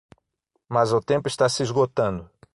Mas o tempo está se esgotando